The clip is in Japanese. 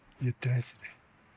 言ってないですね。